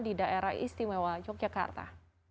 di daerah istimewa yogyakarta